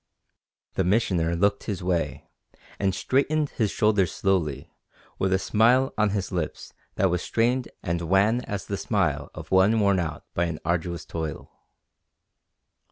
The Missioner looked his way, and straightened his shoulders slowly, with a smile on his lips that was strained and wan as the smile of one worn out by an arduous toil.